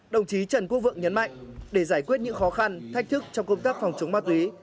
đồng chí trần quốc vượng nhấn mạnh để giải quyết những khó khăn thách thức trong công tác phòng chống ma túy